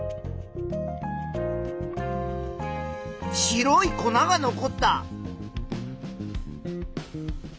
白い粉が残った。